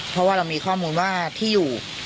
เพราะว่าเรามีข้อมูลว่าที่อยู่